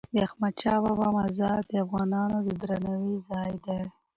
د احمدشاه بابا مزار د افغانانو د درناوي ځای دی.